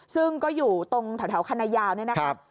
ซึ่งก็อยู่ตรงแถวคันนายาวนี่นะครับ